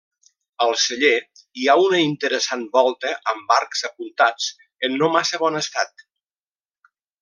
Al celler hi ha una interessant volta amb arcs apuntats, en no massa bon estat.